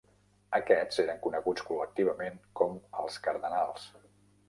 Aquests eren coneguts col·lectivament com els cardenals.